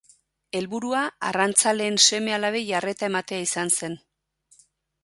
Helburua arrantzaleen seme-alabei arreta ematea izan zen.